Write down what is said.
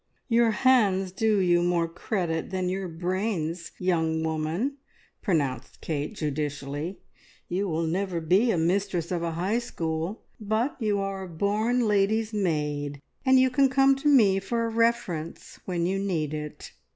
"Your hands do you more credit than your brains, young woman!" pronounced Kate judicially. "You will never be a mistress of a High School; but you are a born lady's maid, and you can come to me for a reference when you need it."